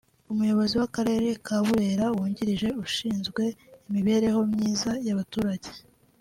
umuyobozi w’Akarere ka Burera wungirije ushinzwe imibereho myiza y’abaturage